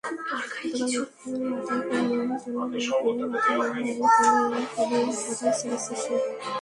গতকাল বৃহস্পতিবার মাথায় ফুলতোলা ব্যান্ড পরে মায়ের কোলে করে হাসপাতাল ছেড়েছে সে।